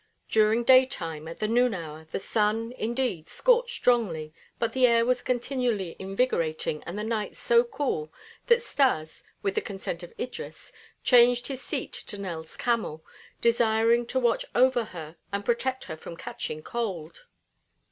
During daytime, at the noon hour, the sun, indeed, scorched strongly but the air was continually invigorating and the nights so cool that Stas, with the consent of Idris, changed his seat to Nell's camel, desiring to watch over her and protect her from catching cold.